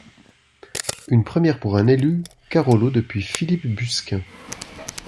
Une première pour un élu carolo depuis Philippe Busquin.